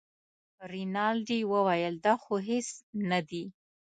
رینالډي وویل دا خو هېڅ نه دي.